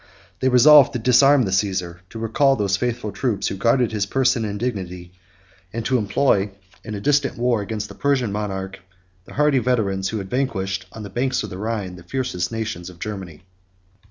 They resolved to disarm the Cæsar; to recall those faithful troops who guarded his person and dignity; and to employ, in a distant war against the Persian monarch, the hardy veterans who had vanquished, on the banks of the Rhine, the fiercest nations of Germany.